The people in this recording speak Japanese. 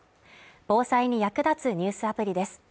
防災に役立つニュースアプリです。